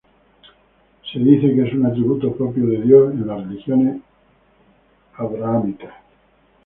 Se dice que es un atributo propio de Dios en las religiones abrahámicas.